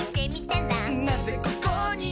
「なぜここに？」